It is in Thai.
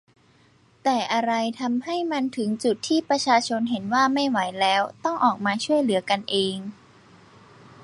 แต่อะไรทำให้มันถึงจุดที่ประชาชนเห็นว่าไม่ไหวแล้ว ต้องออกมาช่วยเหลือกันเอง ?